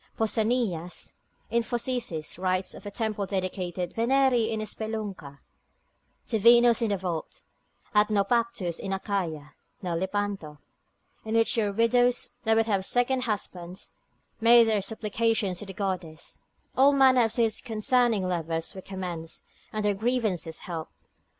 Pausanias, in Phocicis, writes of a temple dedicated Veneri in spelunca, to Venus in the vault, at Naupactus in Achaia (now Lepanto) in which your widows that would have second husbands, made their supplications to the goddess; all manner of suits concerning lovers were commenced, and their grievances helped.